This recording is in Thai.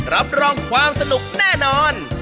รับรองความสนุกแน่นอน